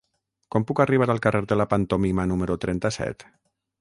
Com puc arribar al carrer de la Pantomima número trenta-set?